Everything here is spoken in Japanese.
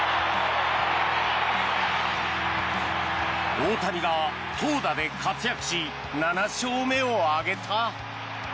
大谷が投打で活躍し７勝目を挙げた。